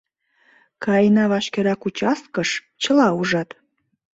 — Каена вашкерак участкыш, чыла ужат.